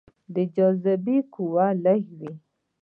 د جاذبې قوه لږه وي.